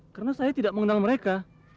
karena saya tidak mengenal mereka